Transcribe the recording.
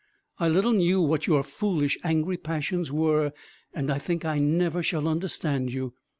I little knew what your foolish angry passions were, and I think I never shall understand you.